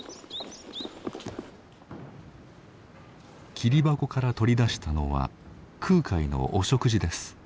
桐箱から取り出したのは空海のお食事です。